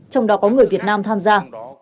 trong đó có người việt nam tham gia